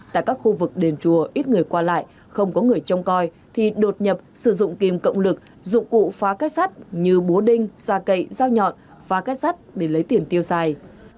tại các khu vực đền chùa ít người qua lại không có người trông coi thì đột nhập sử dụng kìm cộng lực dụng cụ phá kết sát như búa đinh xa cậy dao nhọn phá kết sát để lấy tiền tiêu xài